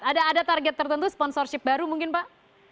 ada target tertentu sponsorship baru mungkin pak